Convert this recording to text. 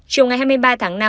trong ngày hai mươi ba tháng năm